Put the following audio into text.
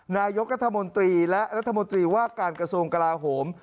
นายกรัฐมนตรีและรัฐมนตรีว่าการกระทรวงกลาโหม